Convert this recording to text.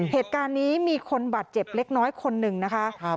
เหตุการณ์นี้มีคนบาดเจ็บเล็กน้อยคนหนึ่งนะคะ